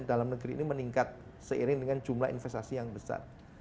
dalam negeri ini meningkat seiring dengan jumlah investasi yang besar